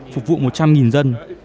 phục vụ một trăm linh dân